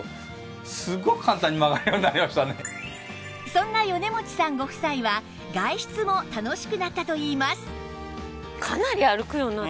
そんな米持さんご夫妻は外出も楽しくなったといいます